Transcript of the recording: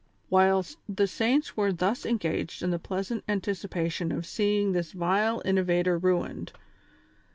Whilst the saints were thus engaged in the pleasant an ticipation of seeing this vile innovator ruined.